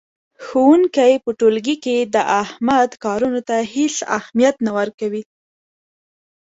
ښوونکی په ټولګي کې د احمد کارونو ته هېڅ اهمیت نه ورکوي.